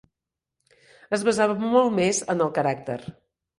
Es basava molt més en el caràcter.